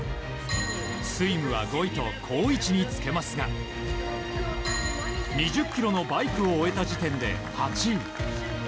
スイムは５位と好位置につけますが２０ｋｍのバイクを終えた時点で８位。